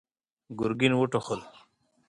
ګرګين وټوخل.